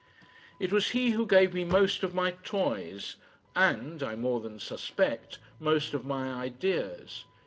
It was he who gave me most of my toys and, I more than suspect, most of my ideas.